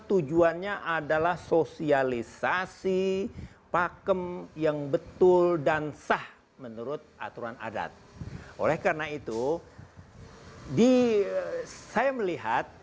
tujuannya adalah sosialisasi pakem yang betul dan sah menurut aturan adat oleh karena itu di saya melihat